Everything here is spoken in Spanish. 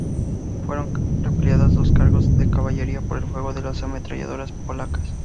Fueron repelidas dos cargas de caballería por el fuego de las ametralladoras polacas.